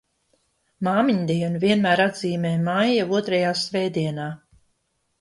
Māmiņdienu vienmēr atzīmē maija otrajā svētdienā.